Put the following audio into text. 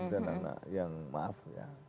dan anak yang maaf ya